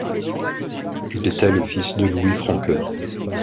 Il était le fils de Louis Francoeur.